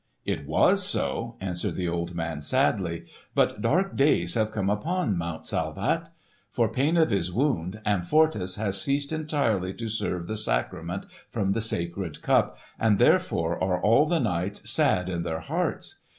"It was so," answered the old man sadly, "but dark days have come upon Mount Salvat. For pain of his wound, Amfortas has ceased entirely to serve the sacrament from the sacred Cup, and therefore are all the knights sad in their hearts.